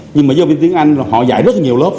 nhưng mà giáo viên tiếng anh họ dạy rất nhiều lớp